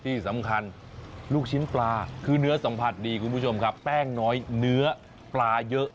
ที่สำคัญลูกชิ้นปลาคือเนื้อสัมผัสดีคุณผู้ชมครับแป้งน้อยเนื้อปลาเยอะ